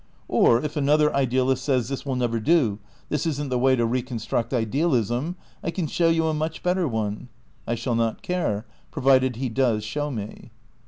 Or if another ideal ist says, '' This will never do. This isn't the way to re construct idealism. I can show you a much better one," I shall not care, provided he does show me.